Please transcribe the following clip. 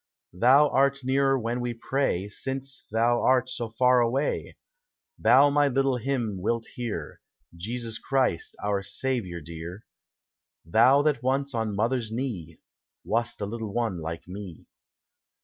Thou art nearer when we pray, Since thou art so far away; Thou my little hymn wilt hear, Jesus Christ, our Saviour dear, Thou that once, on mother's knee, Wast a little one like me.